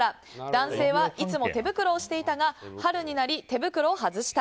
男性はいつも手袋をしていたが春になり手袋を外した。